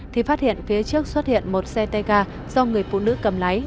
thì phát hiện phía trước xuất hiện một xe tay ga do người phụ nữ cầm lái